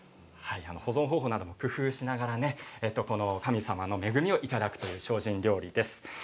保存方法なども工夫しながら神様の恵みをいただく精進料理です。